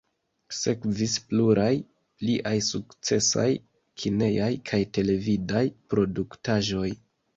Sekvis pluraj pliaj sukcesaj kinejaj kaj televidaj produktaĵoj.